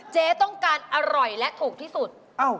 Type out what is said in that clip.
เจ๊ต้องการอร่อยและถูกที่สุด